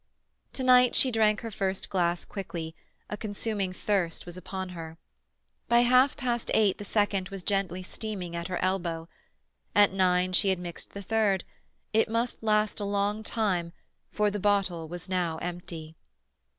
To night she drank her first glass quickly; a consuming thirst was upon her. By half past eight the second was gently steaming at her elbow. At nine she had mixed the third; it must last a long time, for the bottle was now empty.